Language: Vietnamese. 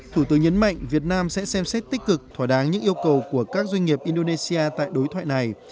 thủ tướng nhấn mạnh việt nam sẽ xem xét tích cực thỏa đáng những yêu cầu của các doanh nghiệp indonesia tại đối thoại này